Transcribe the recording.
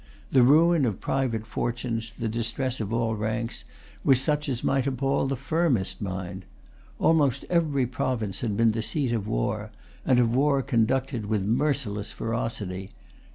The ruin of private fortunes, the distress of all ranks, was such as might appall the firmest mind. Almost every province had been the seat of war, and of war conducted with merciless ferocity.